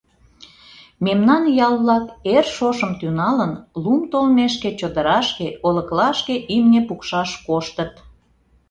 Мемнан ял-влак, эр шошым тӱҥалын, лум толмешке чодырашке, олыклашке имне пукшаш коштыт.